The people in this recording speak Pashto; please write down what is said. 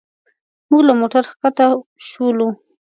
موږ له موټر ښکته شولو.